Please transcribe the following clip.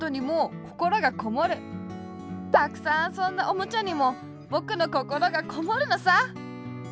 たくさんあそんだおもちゃにもぼくのこころがこもるのさ！